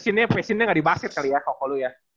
ini passionnya nggak di basket kali ya koko lu ya